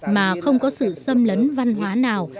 mà không có sự xâm lấn văn hóa nào